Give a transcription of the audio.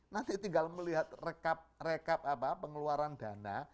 nanti tinggal melihat rekap pengeluaran dana